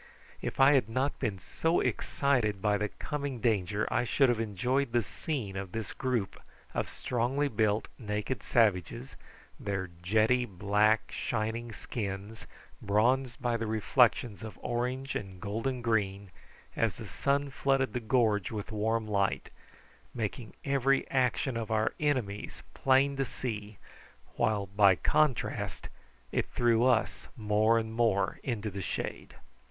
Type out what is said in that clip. If I had not been so excited by the coming danger I should have enjoyed the scene of this group of strongly built naked savages, their jetty black, shining skins bronzed by the reflections of orange and golden green as the sun flooded the gorge with warm light, making every action of our enemies plain to see, while by contrast it threw us more and more into the shade.